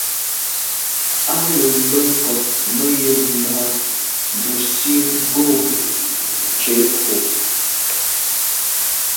A lo mbe nkôg me yen mba busi ghom tshetku.